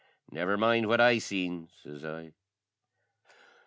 "Never mind what I seen," sez I.